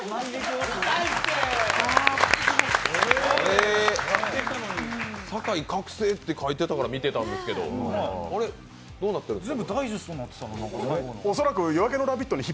えー、酒井覚醒って書いてたから見てたんですけど、どうなったんですか？